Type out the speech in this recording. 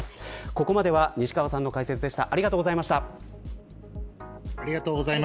ここまでは西川さんの解説でした。